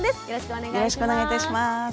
よろしくお願いします。